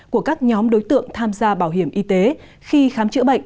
của các nhóm đối tượng tham gia bảo hiểm y tế khi khám chữa bệnh